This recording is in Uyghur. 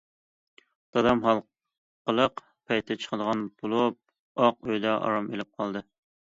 دادام ھالقىلىق پەيتتە چىقىدىغان بولۇپ ئاق ئۆيدە ئارام ئېلىپ قالدى.